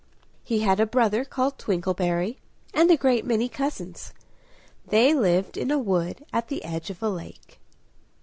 He had a brother called Twinkleberry, and a great many cousins: they lived in a wood at the edge of a lake.